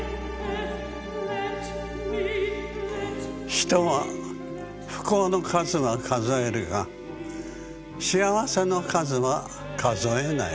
「人は不幸の数はかぞえるが幸せの数はかぞえない」。